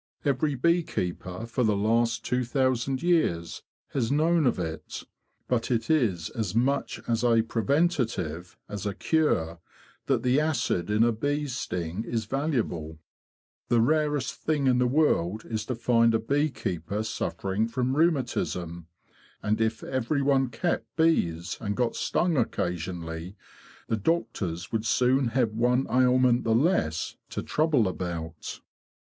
Every bee keeper for the last two thousand years has known of it. But it is as much as a preventive as a cure that the acid in a bee's sting is valuable. The rarest thing in the world is to find a bee keeper THE PHYSICIAN IN THE HIVE 83 suffering from rheumatism. And if every one kept bees, and got stung occasionally, the doctors would soon have one ailment the less to trouble about."